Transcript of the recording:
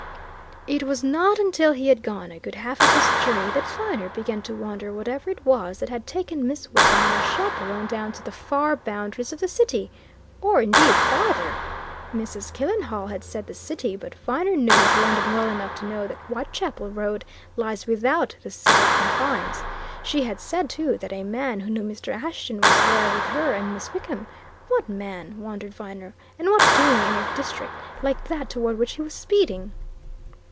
It was not until he had gone a good half of his journey that Viner began to wonder whatever it was that had taken Miss Wickham and her chaperon down to the far boundaries of the City or, indeed, farther. Mrs. Killenhall had said the City, but Viner knew his London well enough to know that Whitechapel Road lies without the City confines. She had said, too, that a man who knew Mr. Ashton was there with her and Miss Wickham what man, wondered Viner, and what doing in a district like that toward which he was speeding?